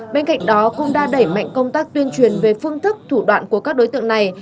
bên cạnh đó cũng đã đẩy mạnh công tác tuyên truyền về phương thức thủ đoạn của các đối tượng này